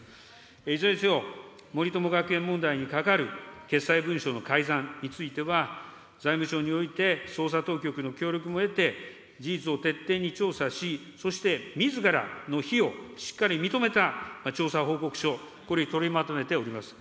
いずれにせよ、森友学園問題にかかる決裁文書の改ざんについては、財務省において、捜査当局の協力も得て、事実を徹底に調査し、そしてみずからの非をしっかり認めた調査報告書、これを取りまとめております。